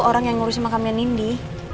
orang yang ngurusin makamnya nindi